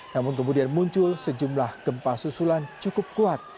namun kemudian muncul sejumlah gempa susulan cukup kuat